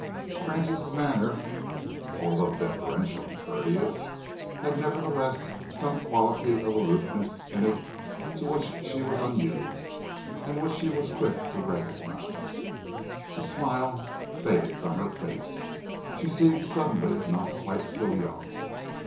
Francis' manner, although deferential and courteous, had nevertheless some quality of aloofness in it to which she was unused and which she was quick to recognise. The smile, faded from her face. She seemed suddenly not quite so young.